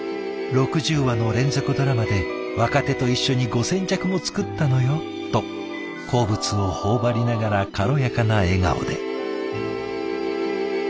「６０話の連続ドラマで若手と一緒に５，０００着も作ったのよ」と好物を頬張りながら軽やかな笑顔で。